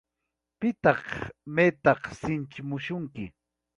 Pitaq maytaq sinchimusunki.